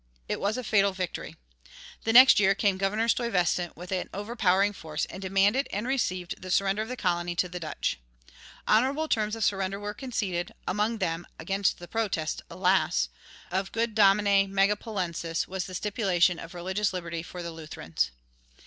It was a fatal victory. The next year came Governor Stuyvesant with an overpowering force and demanded and received the surrender of the colony to the Dutch. Honorable terms of surrender were conceded; among them, against the protest, alas! of good Domine Megapolensis, was the stipulation of religious liberty for the Lutherans.